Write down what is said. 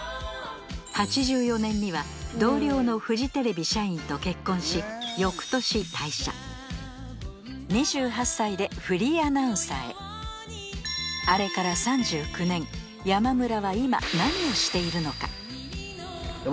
８４年には同僚のフジテレビ社員と結婚し翌年退社２８歳でフリーアナウンサーへあれから３９年山村は今何をしているのか？